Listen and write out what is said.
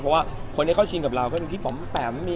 เพราะว่าคนที่เข้าชินกับเราก็มีพี่ป๋อมแปมมี